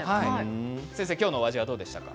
先生、今日のお味はどうでしたか？